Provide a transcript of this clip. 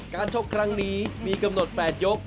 ชกครั้งนี้มีกำหนด๘ยก